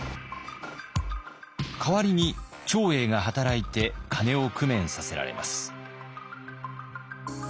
代わりに長英が働いて金を工面させられます。